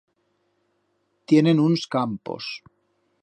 Tienen uns campos.